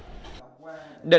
để đảm bảo an ninh